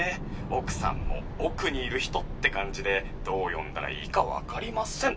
奥さんも「奥にいる人」って感じでどう呼んだらいいか分かりません